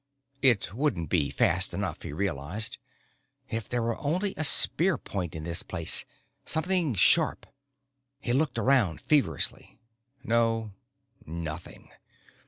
It wouldn't be fast enough, he realized. If there were only a spear point in this place, something sharp. He looked around feverishly. No, nothing.